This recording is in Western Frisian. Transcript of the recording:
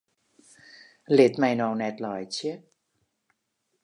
Lit my no net laitsje!